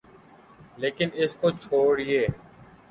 لیکن اس کو چھوڑئیے۔